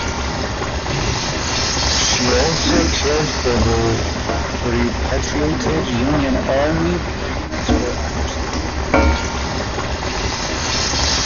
She also cared for the repatriated Union Army prisoners from Andersonville.